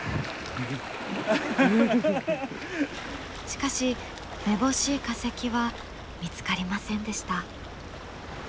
しかしめぼしい化石は見つかりませんでした。